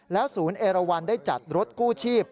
ศูนย์เอราวันได้จัดรถกู้ชีพ